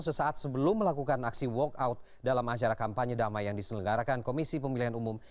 sesaat sebelum melakukan aksi walk out dalam acara kampanye damai yang diselenggarakan komisi pemilihan umum